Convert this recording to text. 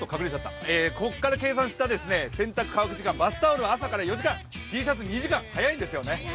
ここから計算した洗濯乾く時間、バスタオル４時間、Ｔシャツ２時間、早いですよね。